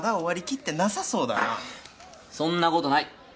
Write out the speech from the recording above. そんな事ない！